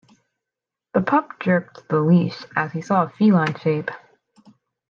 The pup jerked the leash as he saw a feline shape.